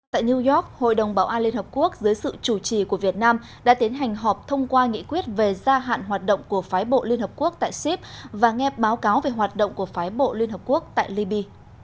tại new york hội đồng bảo an liên hợp quốc dưới sự chủ trì của việt nam đã tiến hành họp thông qua nghị quyết về gia hạn hoạt động của phái bộ liên hợp quốc tại sip và nghe báo cáo về hoạt động của phái bộ liên hợp quốc tại liby